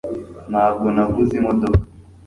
ntabwo naguze imodoka